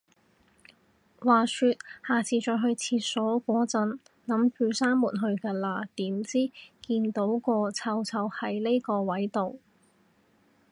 話說，下就再去廁所個陣，諗住閂門去㗎啦，點知，見到個臭臭係呢個位到